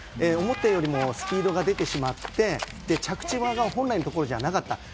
思ったよりもスピードが出てしまって、着地が本来のところじゃなかった。